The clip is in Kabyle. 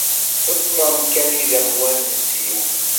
D ṭṭlam kan i d amwanes-iw.